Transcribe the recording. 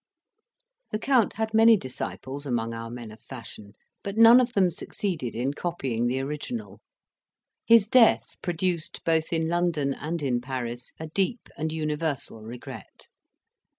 The Count had many disciples among our men of fashion, but none of them succeeded in copying the original. His death produced, both in London and in Paris, a deep and universal regret.